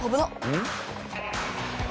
うん？